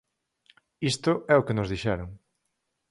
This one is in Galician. Isto é o que nos dixeron.